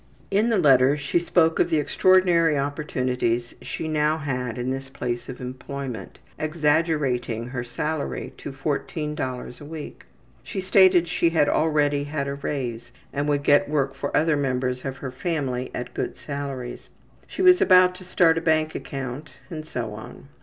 In the letter she spoke of the extraordinary opportunities she now had in this place of employment, exaggerating her salary to $14 a week. She stated she had already had a raise, and could get work for other members of her family at good salaries. She was about to start a bank account, and so on.